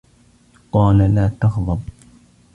قَالَ لَا تَغْضَبْ